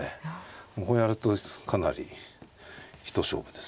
こうやるとかなり一勝負ですね。